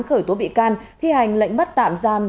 khởi tố bị can thi hành lệnh bắt tạm giam